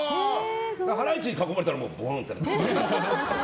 ハライチに囲まれたらボーンってね。